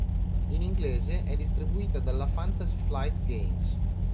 In inglese è distribuita dalla Fantasy Flight Games.